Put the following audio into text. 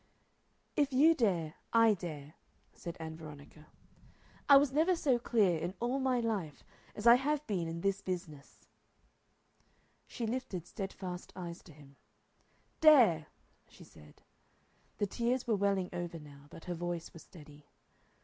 "If you dare I dare," said Ann Veronica. "I was never so clear in all my life as I have been in this business." She lifted steadfast eyes to him. "Dare!" she said. The tears were welling over now, but her voice was steady.